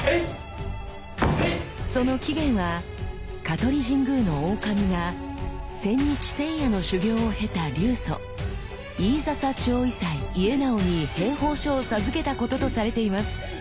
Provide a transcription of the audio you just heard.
その起源は香取神宮の大神が千日千夜の修行を経た流祖飯篠長威斎家直に兵法書を授けたこととされています。